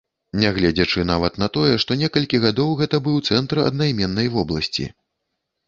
Нягледзячы нават на тое, што некалькі гадоў гэта быў цэнтр аднайменнай вобласці.